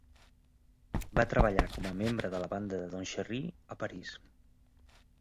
Va treballar com a membre de la banda de Don Cherry a París.